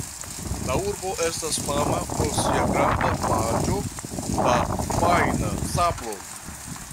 La urbo estas fama pro sia granda plaĝo da fajna sablo.